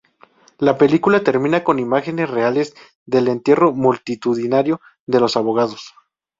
La película termina con imágenes reales del entierro multitudinario de los abogados.